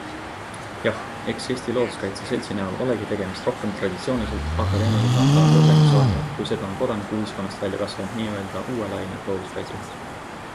Jah, eks Eesti Looduskaitse Seltsi näol olegi tegemist rohkem traditsiooniliselt akadeemilisemat laadi organisatsiooniga kui seda on kodanikuühiskonnast välja kasvanud n-ö uue laine looduskaitseühendused.